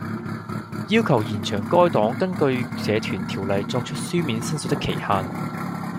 要求延長該黨根據《社團條例》作出書面申述的期限